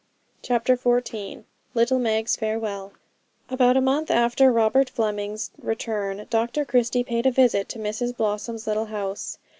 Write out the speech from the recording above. CHAPTER XIV Little Meg's Farewell About a month after Robert Fleming's return Dr Christie paid a visit to Mrs Blossom's little house.